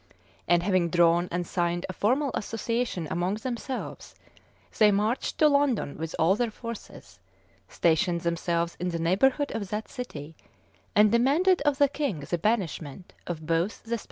And having drawn and signed a formal association among themselves,[] they marched to London with all their forces, stationed themselves in the neighborhood of that city, and demanded of the king the banishment of both the Spensers.